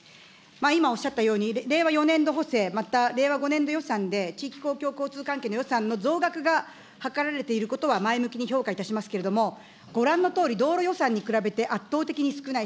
今おっしゃったように、令和４年度補正、また令和５年度予算で、地域公共交通関係の予算の増額が図られていることは、前向きに評価いたしますけれども、ご覧のとおり、道路予算に比べて圧倒的に少ない。